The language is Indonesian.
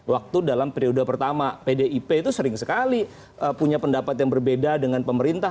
waktu dalam periode pertama pdip itu sering sekali punya pendapat yang berbeda dengan pemerintah